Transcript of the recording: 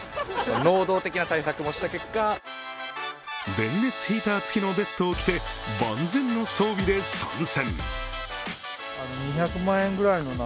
電熱ヒーターつきのベストを着て万全の装備で参戦。